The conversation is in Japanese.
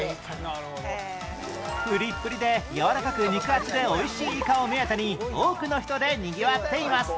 プリプリでやわらかく肉厚で美味しいイカを目当てに多くの人でにぎわっています